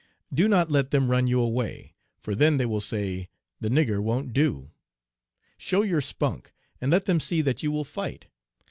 Do not let them run you away, for then they will say, the "nigger" won't do. Show your spunk, and let them see that you will fight.